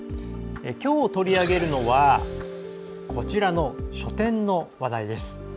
きょう取り上げるのはこちらの書店の話題です。